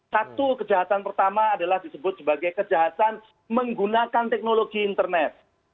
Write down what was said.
satu kejahatan pertama adalah disebut sebagai kejahatan menggunakan teknologi internet